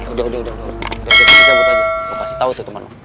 udah udah gue kasih tau tuh temen lo